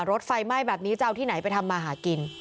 รถไฟไหม้แบบนี้จะเอาที่ไหนไปทำมาหากิน